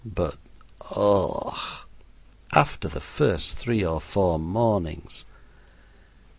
But, ugh! after the first three or four mornings!